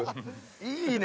いいね！